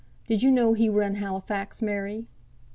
Did you know he were in Halifax, Mary?"